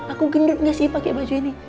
aku gendut gak sih pakai baju ini